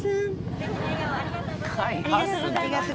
ありがとうございます。